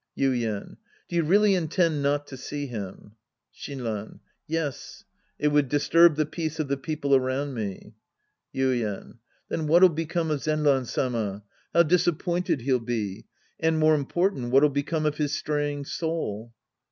Yuien. Do you really intend not to see him ? Shinran. Yes. It would disturb the peace of the people around me. Yuien. Then what'll become of Zenran Sama? How disappointed he'll be*! And m.ore important, what'll become of his straying soul